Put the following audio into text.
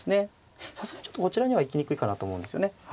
さすがにちょっとこちらには行きにくいかなと思うんですよね。